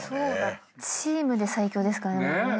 チームで最強ですからね。